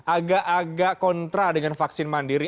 agak agak kontra dengan vaksin mandiri